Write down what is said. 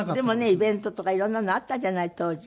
イベントとか色んなのあったじゃない当時。